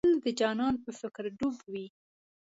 تل د جانان په فکر ډوب وې.